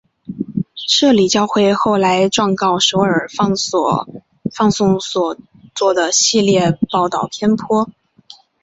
摄理教会后来状告首尔放送所做的系列报导偏颇。